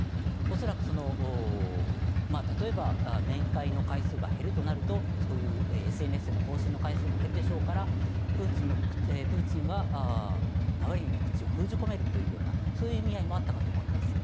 恐らく、例えば面会の回数が減るとなるとそういうＳＮＳでの更新の回数も減るでしょうからプーチンがナワリヌイの口を封じ込めるというようなそういう意味合いもあったかと思います。